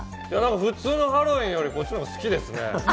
普通のハロウィンよりもこっちの方が好きですね。